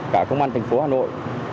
cả công an thành phố hà nội